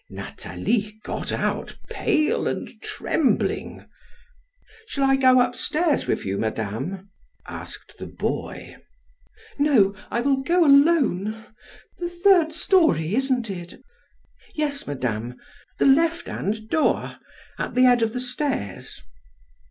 Nathalie got out, pale and trembling. "Shall I go up stairs with you, madame?" asked the boy. "No, I will go alone. The third story, isn't it?" "Yes, madame; the left hand door, at the head of the stairs."